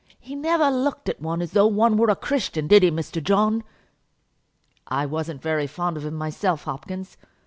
He never looked at one as though one were a Christian; did he, Mr. John?" "I wasn't very fond of him myself, Hopkins."